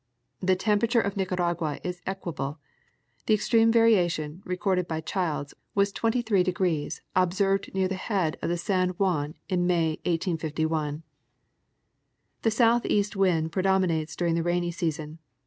The temperature of Nicaragua is equable. The extreme variation, recorded by Childs, was 23° observed near the head of the San Juan in May, 1851. The southeast wind predominates during the rainy season.